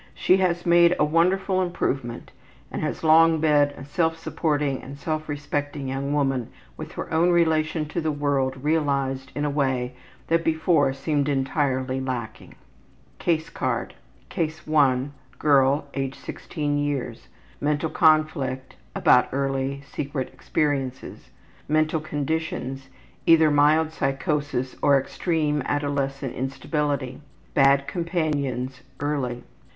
She has made a wonderful improvement and has long been a self supporting and self respecting young woman with her own relation to the world realized in a way that before seemed entirely lacking. Mental conflict: About early secret Case 1. experiences. Girl, age 16 yrs. Mental conditions: Either mild psychosis or extreme adolescent instability. Bad companions: Early.